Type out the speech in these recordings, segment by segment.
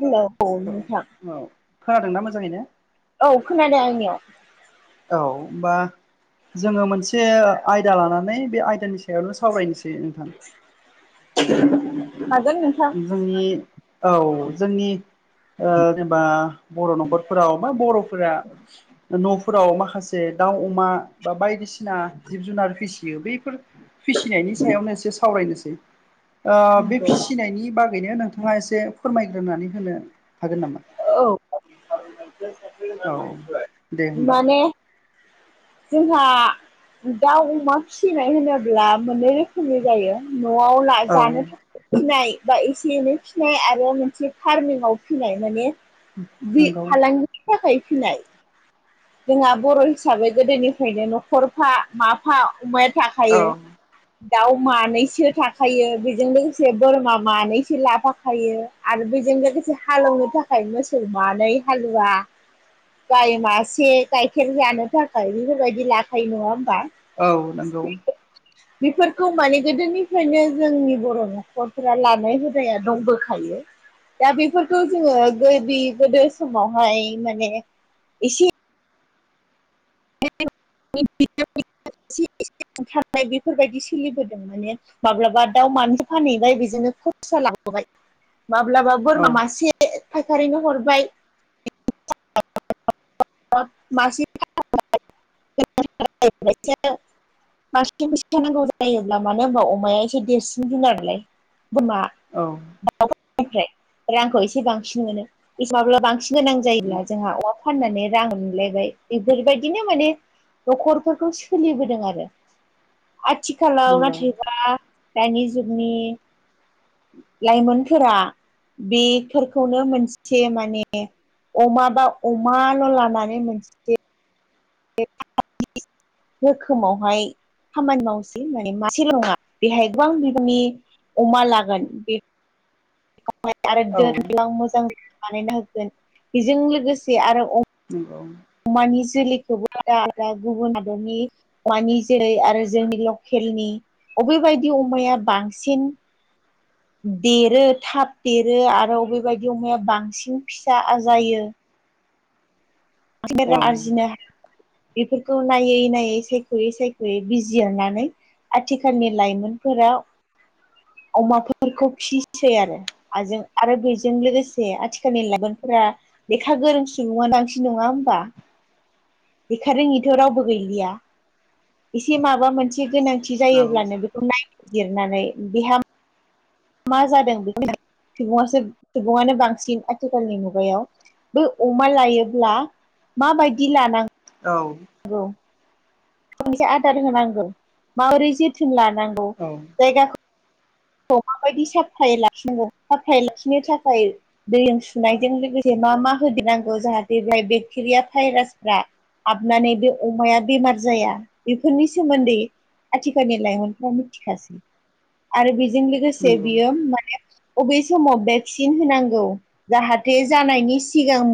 हेल' औ-औ खोनादों ना मोजाङैनो? औ खोनादों आंनियाव। औ होमबा जोङो मोनसे आयदा लानानै बे आयदानि सायावनो सावरायनोसै नोंथां। हागोन नों जोंनि औ जोंनि ओ जेनेबा बर' न'खरफोराव बा बर'फोरा न'फोराव माखासे दाउ अमा बा बायदिसिना जिब जुनार फिसियो बैफोर फिसिनायनि सायावनो एसे सावरायनोसै। ओ बे फिसिनायनि बागैनो नोंथाङा एसे फोरमायग्रोनानै होनो नोंथाङा हागोन नामा? औ औ दे [unintelligible] होमबा माने [unintelligible] [inaudible] जोंहा दाउ अमा फिसिनाय होनोब्ला मोननै रोखोमनि जायो न'आव औ जानो फिनाय बा एसे एनै फिनाय आरो मोनसे फार्मिग आव फिनाय। माने बी नंगौ फालांगिनि थाखाय फिनाय। जोंहा बर' हिसाबै गोदोनिफ्रायनो न'खरफा माफा अमाया औ थाखायो। दाउ मानैसो थाखायो बेजों लोगोसे बोरमा मानैसो लाफाखायो। आरो बेजों लोगोसे हालौवनो थाखाय मोसौ मानै हालुवा गाय मा से गाइखेर जानो थाखाय बेफोरबायदि लाखायो नङा होमबा? औ नंगौ। बेफोरखौ माने गोदोनिफ्रायनो जोंनि बर' न'खरफ्रा लानाय हुदाया दंबोखायो। दा बेफोरखौ जोङो गोबि गोदो समावहाय माने एसे [unintelligible] बेफोरबायदि सोलिबोदों माने माब्लाबा दाउ मानैसो फानहैबाय बेजोंनो खरसा लाबोबाय। माब्लाबा औ बोरमा मासे फायखारिनो हरबाय। मासि [unintelligible] [unintelligible] जायोब्ला मानो होनबा अमाया एसे देरसिन [unintelligible] बोरमा औ [unintelligible] फोरनिफ्राय रांखौ एसे बांसिन मोनो [unintelligible] माब्ला बांसिन गोनां जायोब्ला जोंहा अमा फाननानै रां मोनलायबाय बेफोरबायदिनो माने न'खरफोरखौ सोलिबोदों आरो आथिखालाव नंगौ नाथायबा दानि जुगनि लाइमोनफोरा बेफोरखौनो मोनसे माने अमा बा अमाल' लानानै मोनसे [unintelligible] रोखोमावहाय खामानि मावसै माने मासेल' नङा बेहाय गोबां बिबांनि अमा लागोन बे [unintelligible] आरो औ [unintelligible] मोजां बानायना होगोन बेजों लोगोसे आरो नंगौ अमानि जोलैखौबो दा-दा गुबुन हादरनि [unintelligible] जेरै आरो जोंनि लकेलनि अबेबायदि अमाया बांसिन देरो थाब देरो आरो अबेबायदि अमाया बांसिन फिसा आजायो। औ [unintelligible] आरजिनो हा बेफोरखौ नायै नायै सायख'यै सायख'यै बिजिरनानै आथिखालनि लाइमोनफोरा अमाफोरखौ फिसै आरो। आजों आरो बेजों लोगोसे आथिखालनि लाइमोनफोरा लेखा गोरोंसिन [unintelligible] नङा होमबा? लेखा रोङिथ' रावबो गैलिया एसे माबा मोनसे गोनांथि औ जायोब्लानो बे खौ नायबिजिरनानै बिहा मा जादों [unintelligible] सुबुङासो सुबुङानो बांसिन आथिखालनि मुगायाव बो अमा लायोब्ला माबायदि लानां औ औ खनबेसे आदार होनांगौ माबोरै जोथोन लांनांगौ औ जायगा माबायदि साफायै लाखिनांगौ साफायै लाखिनो थाखाय दैजों सुनायजों लोगोसे मा मा होदेरनांगौ जाहाथे बेहाय बेक्टेरिया भाइरासफ्रा हाबनानै बे अमाया बेमार जाया बेफोरनि सोमोन्दै आथिखालनि लाइमोनफ्रा मिथिखासै आरो बेजों लोगोसे नंगौ बियो माने अबे समाव भेक्सिन होनांगौ जाहाथे जानायनि सिगां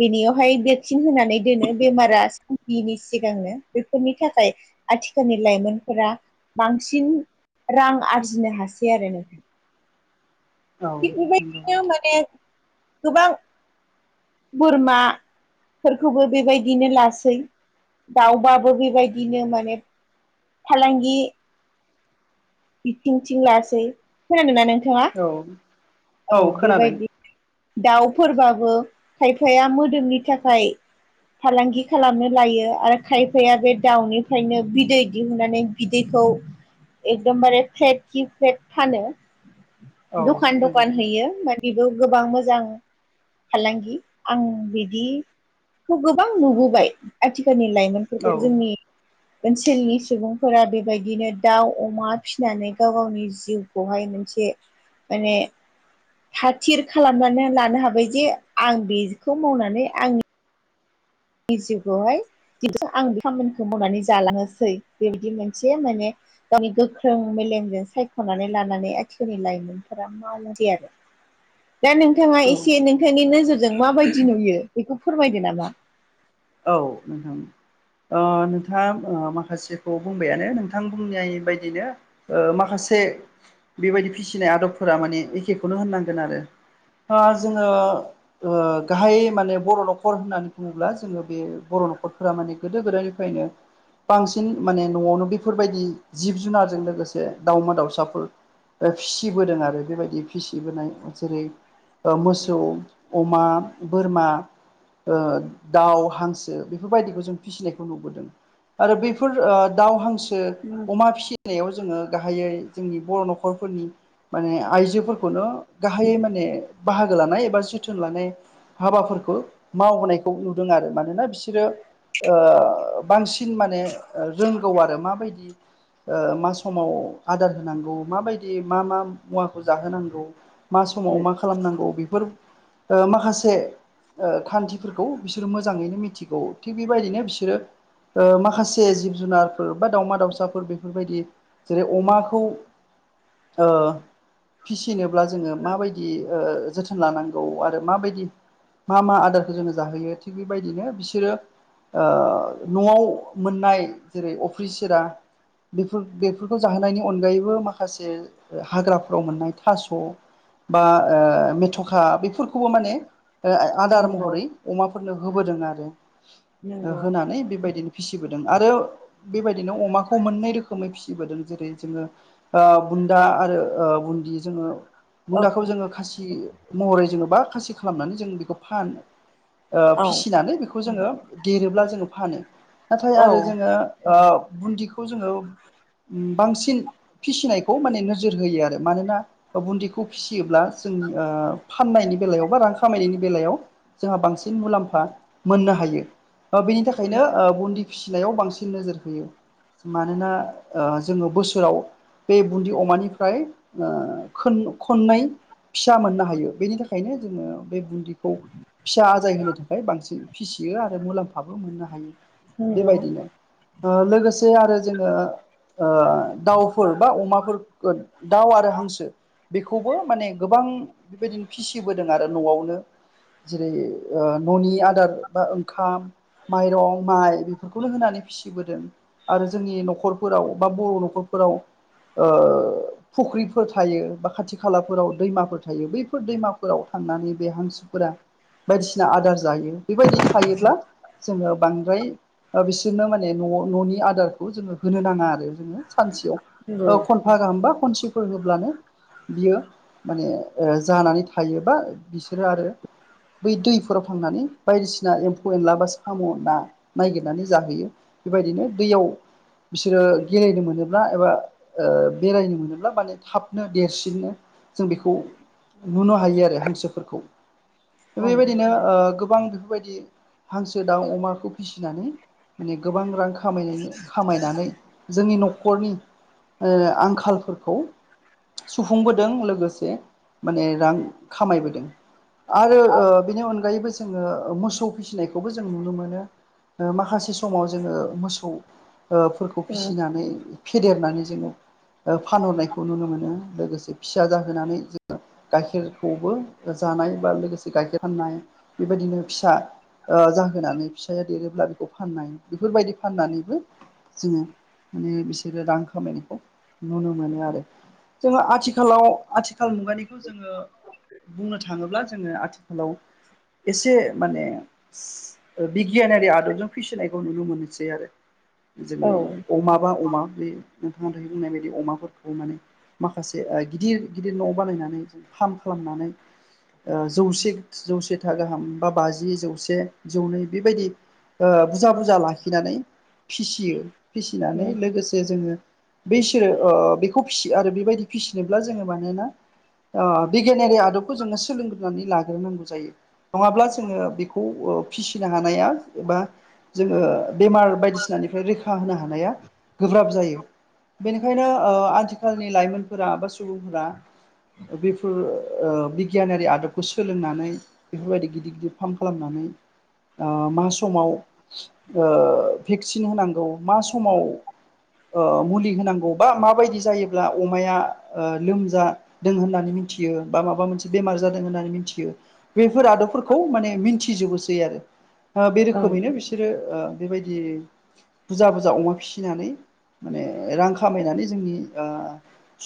बेनियावहाय भेक्सिन होनानै दोनो बेमारा साफियैनि सिगांनो बेफोरनि थाखाय आथिखालनि लाइमोनफोरा बांसिन रां आरजिनो हासै आरोना औ थिग नंगौ बेबायदिनो माने गोबां बोरमाफोरखौबो बेबायदिनो लासै दाउबाबो बेबायदिनो माने फालांगि बिथिंथिं लासै खोनादोंना नोंथाङा? औ औ बेबायदि दाउफोरबाबो खायफाया मोदोमनि थाखाय फालांगि खालामनो लायो आरो खायफाया बे दाउनिफ्रायनो बिदै दिहुननानै बिदैखौ एकदमबारे फ्लेट कि फ्लेट फानो औ दखान दखान। नंगौ [unintelligible] बा बेखौ गोबां मोजां फालांगि आं बिदिखौ गोबां नुबोबाय आथिखालनि लाइमोन औ फोरखौ जोंनि [inaudible] ओनसोलनि सुबुंफोरा बेबायदिनो दाउ अमा फिसिनानै गाव गावनि जिउखौहाय मोनसे माने हाथिर खालामनानै लानो हाबाय जे आं बेखौ मावनानै आंनि आंनि जिउखौहाय आं बे खामानिखौ मावनानै जालांनोसै बेबायदि मोनसे माने गावनि गोख्रों मेलेमजों सायख'नानै लानानै आथिखालनि लाइमोनफोरा मावोसै आरो। दा नोंथाङा औ एसे नोंथांनि नोजोरजों माबायदि नुयो बेखौ फोरमायदो नामा? औ नोंथां ओ नोंथाङा ओ माखासेखौ बुंबायानो नोंथां बुंनाय बायदिनो ओ माखासे बेबायदि फिसिनाय आदबफोरा माने एखेखौनो होननांगोन आरो ओ जोङो ओ गाहाय माने बर' न'खर होननानै बुङोब्ला जोङो बे बर' न'खरफोरा माने गोदो गोदायनिफ्रायनो बांसिन माने न'आवनो बेफोरबायदि जिब जुनारजों लोगोसे दाउमा दाउसाफोर ओ फिसिबोदों आरो बेबायदि फिसिबोनाय जेरै ओ मोसौ अमा बोरमा ओ दाउ हांसो बेफोर बायदिखौ जों फिसिनायखौ नुबोदों आरो बेफोर ओ दाउ हांसो ओ अमा फिसि नायाव जोङो गाहायै जोंनि बर' न'खरफोरनि माने आइजोफोरखौनो गाहायै माने बाहागो लानाय एबा जोथोन लानाय हाबाफोरखौ मावहोनायखौ नुदों आरो मानोना बिसोरो ओ बांसि थिन माने रोंगौ आरो माबायदि ओ मा समाव आदार होनांगौ माबायदियै मा मा मुवाखौ जाहोनांगौ मा समाव मा खालामनांगौ बेफोर ओ माखासे ओ खान्थिफोरखौ बिसोर मो जाङैनो मिथिगौ थिग बेबायदिनो बिसोरो माखासे जिब जुनार बा दाउमा दाउसाफोर बेफोरबायदि जेरै अमाखौ ओ फिसिनोब्ला जोङो माबायदि ओ जोथोन लानांगौ आरो माबायदि मा मा आदारखौ जोङो जाहोयो थिग बेबायदिनो बिसोरो ओ न'आव मोननाय जेरै अफ्रि सिरा बेफोर बेफोरखौ जाहोनायनि अनगायैबो माखासे हाग्राफोराव मोननाय थास' बा ओ मेथ'खा बेफोरखौबो माने ओ आ-आदार नंगौ महरै अमाफोरनो होबोदों आरो नंगौ होनानै बेबायदिनो फिसिबोदों आरो बेबायदिनो अमाखौ मोननै रोखोमै फिसिबोदों जेरै जोङो ओ बुन्दा आरो बुन्दि जोङो औ बुन्दाखौ जोङो खासि महरै जोङो बा खासि खालामनानै जों बेखौ फानो ओ औ फिसिनानै बेखौ जोङो देरोब्ला जोङो फानो नाथाय औ आरो जोङो बुन्दिखौ जोङो बांसिन फिसिनायखौ माने नोजोर होयो आरो मानोना ओबिन्दिखौ फिसियोब्ला जों फाननायनि बेलायाव बा रां खामायनायनि बेलायाव जोंहा बांसिन मुलाम्फा मोननो हायो ओ बेनि थाखायनो बुन्दि फिसिलायाव बांसिन नोजोर होयो मानोना ओ जोङो बोसोराव बे बुन्दि अमानिफ्राय ओ खोन-खननै फिसा मोननो हायो बेनि थाखायनो जोङो बे बुन्दिखौ फिसा आजाय होनो थाखाय बांसिन फिसियो आरो मुलाम्फाबो मोननो हायो नंगौ बेबायदिनो लोगोसे आरो जोङो ओ दाउफोर बा अमाफोर दाउ आरो हांसो बेखौबो माने गोबां बेबायदिनो फिसिबोदों आरो न'आवनो जेरै ओ न'नि आदार बा ओंखाम माइरं माइ बेफोरखौनो होनानै फिसिबोदों आरो जोंनि न'खर फोराव बा बर' न'खरफोराव ओ फुख्रिफोर थायो बा खाथि खालाफोराव दैमाफोर थायो बैफोर दैमाफोराव थांनानै बे हांसोफोरा बायदिसिना आदार जाहैयो बेबायदि थायोब्ला जोङो बांद्राय बिसोरनो माने न' न'नि आदार जोङो होनो नाङा आरो जोङो नंगौ सानसेयाव खनफा गाहाम बा खनसेफोर होब्लानो बियो माने ओ जानानै थायोबा बिसोरो आरो बै दैफोराव थांनानै बायदिसिना एम्फौ एनला बा साम' ना नागिरनानै जाहोयो बेबायदिनो दैयाव बिसोरो गेलेनो मोनोब्ला एबा ओ बेरायनो मोनोब्ला माने थाबनो देरसिननो जों बेखौ नुनो हायो आरो हांसोफोरखौ औ बेबायदिनो ओ गोबां बेफोरबायदि हांसो दाउ अमाखौ फिसिनानै माने गोबां रां खा खामायनोनै खामायनानै जोंनि न'खरनि आंखालफोरखौ सुफुंबोदों लोगोसे माने रां खामायबोदों आरो बिनि अनगायैबो जोङो मोसौ फिसिनायखौबो जों नुनो मोनो ओ माखासे समाव जोङो मोसौ ओ फोरखौ नंगौ फिसिनानै फेदेरनानै जोङो ओ फानहरनायखौ नुनो मोनो लोगोसे फिसा जाहोनानै जिता गाइखेरखौबो जानाय बा लोगोसे गाइखेर फाननाय बेबायदिनो फिसा ओ जाहोनानै फिसाया देरोब्ला बेखौ फाननाय बेफोरबायदि फाननानैबो जोङो माने बिसोरो रां खामायनायखौ नुनो मोनो आरो जोङो आथिखालाव आथिखाल मुगानिखौ जोङो बुंनो थाङोब्ला जोङो आथिखा व एसे माने ओ बिगियानारि आदबजों फिसिनायखौ नुनो मोनसै आरो जोङो औ अमा बा अमा बे नोंथांंङा दायो बुंनाय बायदि अमाफोरखौबो माने माखासे ओ गिदिर गिदिर न' बानायनानै फार्म खालामनानै ओ जौसे जौसेथा गाहाम बा बाजि जौसे जौनै बेबायदि ओ बुजा बुजा लाखिनानै फिसियो फिसिनानै लोगोसे जोङो बैसो ओ बेखौ फिसि आरो बेबायदि फिसिनोब्ला जोङो मानोना ओ बिगियानारि आदबखौ जोङो सोलोंनानै ला रोंनांगौ जायो नङाब्ला जोङो बेखौ ओ फिसिनो हानाया एबा जोङो बेमार बायदिसिनानिफ्राय रैखा होनो हानाया गोब्राब जायो बेनिखायनो ओ आथिखालनि लाइमोनफोरा बा सुबुंफोरा बेफोर ओ बिगियानारि आदबखौ स सोलोंनानै बेफोरबायदि गिदिर गिदिर फार्म खालामनानै ओ मा समाव ओ भेक्सिन होनांगौ मा समाव ओ मुलि होनांगौ बा माबायदि जायोब्ला अमाया ओ लोमजा दों होननानै मिथियो बा माबा मोनसे बेमार जादों होननानै मिथियो बेफोर आदबफोरखौ माने मिथिजोबोसै आरो ओ बे रोखोमैनो बिस रो ओ बेबायदि बुजा बुजा अमा फिसिनानै माने रां खामायनानै जोंनि ओ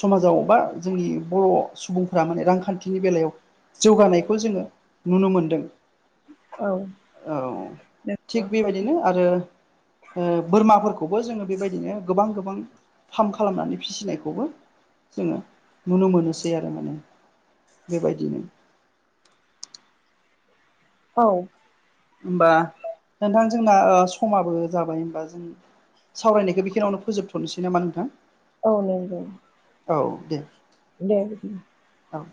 समाजाव बा जोंनि बर' सुबुंफोरा माने रांखान्थिनि बेलायाव जौगानाय खौबो जोङो नुनो मोनदों औ औ थिग नंगौ बेबायदिनो आरो ओ बोरमाफोरखौबो जोङो बेबायदिनो गोबां गोबां फार्म खालामनानै फिसिनायखौबो जोङो नुनो मोनोसै आरो माने बेबायदिनो औ होमबा नोंथां जोंना ओ समाबो जाबाय होनबा जों सावरायनायखो बेखिनावनो फोजोबथ'नोसै नामा नोंथां औ नंगौ औ दे दे बिदिबा औ